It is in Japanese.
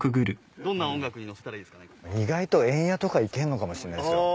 意外とエンヤとかいけんのかもしんないっすよ。